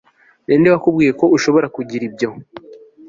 Ninde wakubwiye ko ushobora kugira ibyo